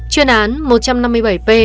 chuyên án một trăm năm mươi bảy p